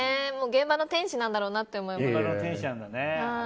現場の天使なんだろうなって思います。